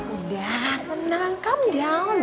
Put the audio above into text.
udah menang come down baby